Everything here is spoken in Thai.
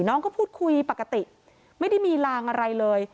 น้องก็พูดคุยปกติไม่ได้มีลางอะไรเลย